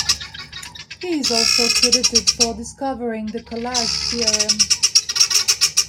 He is also credited for discovering the Collage theorem.